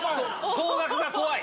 総額が怖い！